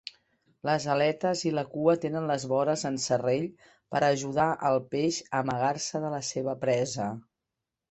Les aletes i la cua tenen les vores en serrell per a ajudar al peix a amagar-se de la seva presa.